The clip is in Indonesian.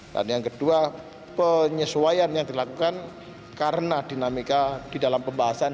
dan yang kedua penyesuaian yang dilakukan karena dinamika di dalam pembahasan